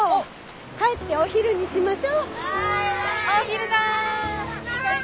帰ってお昼にしましょ。わい！